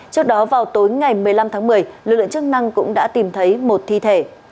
trước đó vào tối ngày một mươi năm tháng một mươi lực lượng chức năng cũng đã tìm thấy một thi thể